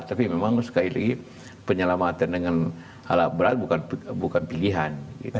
tapi memang sekali lagi penyelamatan dengan alat berat bukan pilihan